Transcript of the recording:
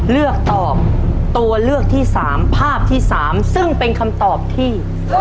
เลือกตอบตัวเลือกที่๓ภาพที่๓ซึ่งเป็นคำตอบที่